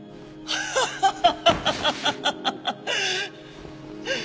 ハハハハ！